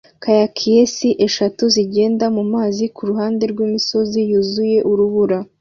kayakiers eshatu zigenda mumazi kuruhande rwimisozi yuzuye urubura